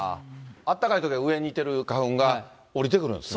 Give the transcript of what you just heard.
あったかいときは上にいてる花粉が、下りてくるんですね。